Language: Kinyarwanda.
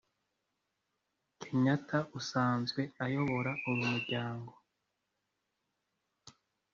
Kenyatta usanzwe ayobora uyu muryango